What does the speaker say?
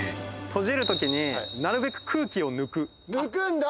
閉じるときになるべく空気を抜く抜くんだ